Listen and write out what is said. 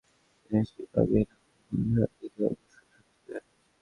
তিনি Siba bin Abdul উযযার দিকে অগ্রসর হচ্ছিলেন।